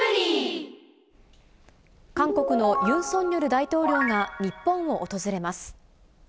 韓国のユン・ソンニョル大統領が日本を訪れます。